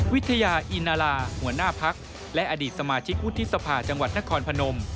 วิทยาอีนาลาหัวหน้าพักและอดีตสมาชิกวุฒิสภาจังหวัดนครพนม